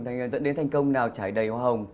dẫn đến thành công nào trải đầy hoa hồng